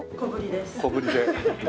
小ぶりです。